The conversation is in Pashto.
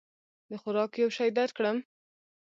د خوراک یو شی درکړم؟